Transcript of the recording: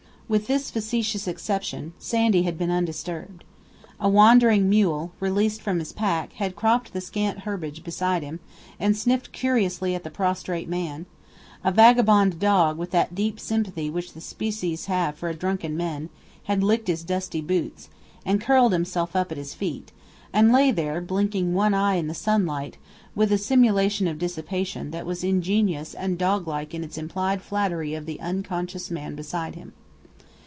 With this facetious exception, Sandy had been undisturbed. A wandering mule, released from his pack, had cropped the scant herbage beside him, and sniffed curiously at the prostrate man; a vagabond dog, with that deep sympathy which the species have for drunken men, had licked his dusty boots, and curled himself up at his feet, and lay there, blinking one eye in the sunlight, with a simulation of dissipation that was ingenious and doglike in its implied flattery of the unconscious man beside him.